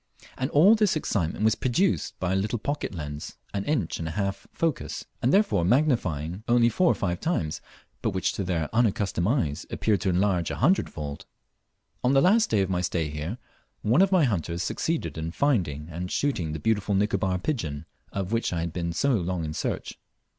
And all this excitement was produced by a little pocket lens, an inch and a half focus, and therefore magnifying only four or five times, but which to their unaccustomed eyes appeared to enlarge a hundred fold. On the last day of my stay here, one of my hunters succeeded in finding and shooting the beautiful Nicobar pigeon, of which I had been so long in search.